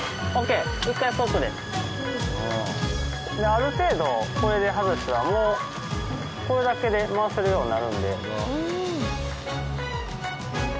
ある程度これで外したらもうこれだけで回せるようになるんで。